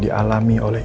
itu semua akibat sabotase